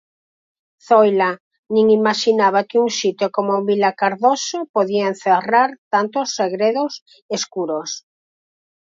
Zoila nin imaxinaba que un sitio como Vilacardoso podía encerrar tantos segredos escuros.